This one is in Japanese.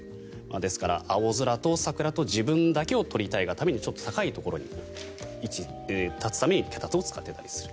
ですから、青空と桜と自分だけを撮りたいがためにちょっと高いところに立つために脚立を使っていたりする。